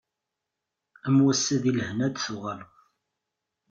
Am wass-a di lehna ad d-tuɣaleḍ.